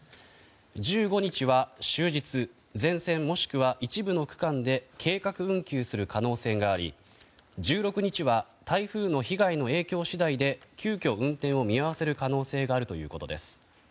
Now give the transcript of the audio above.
１５日は終日全線もしくは一部の区間で計画運休する可能性があり１６日は台風の被害の影響次第で急きょ運転を見合わせる可能性があるということです。